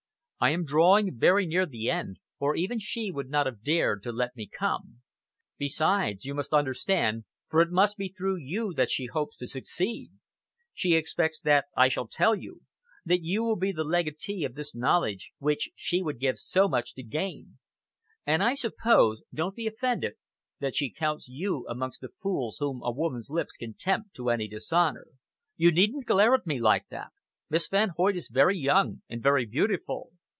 I am drawing very near the end, or even she would not have dared to let me come. Besides, you must understand, for it must be through you that she hopes to succeed. She expects that I shall tell you, that you will be the legatee of this knowledge, which she would give so much to gain. And I suppose don't be offended that she counts you amongst the fools whom a woman's lips can tempt to any dishonor. You needn't glare at me like that. Miss Van Hoyt is very young and very beautiful.